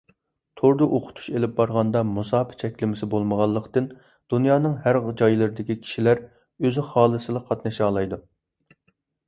توردا ئوقۇتۇش ئېلىپ بارغاندا مۇساپە چەكلىمىسى بولمىغانلىقتىن، دۇنيانىڭ ھەر جايلىرىدىكى كىشىلەر ئۆزى خالىسىلا قاتنىشالايدۇ.